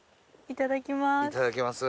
いただきます。